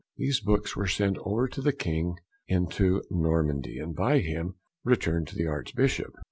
These Books were sent over to the King into Normandy, and by him returned to the Archbishop.